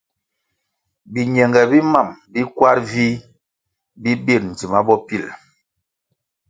Biñenge bi mam bi kwar vih bi bir ndzima bopil.